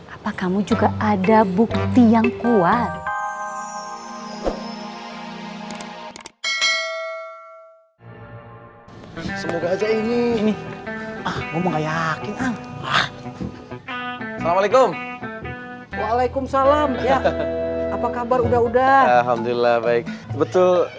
apa kamu juga ada bukti yang kuat